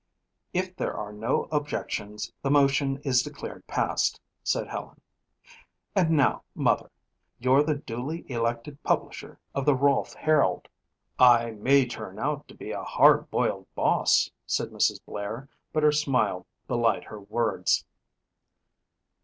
"If there are no objections, the motion is declared passed," said Helen. "And now Mother, you're the duly elected publisher of the Rolfe Herald." "I may turn out to be a hard boiled boss," said Mrs. Blair, but her smile belied her words.